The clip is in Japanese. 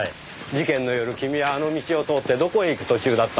事件の夜君はあの道を通ってどこへ行く途中だったんですか？